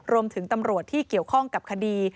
รวมถึงตำรวจที่เกี่ยวข้องกับคดี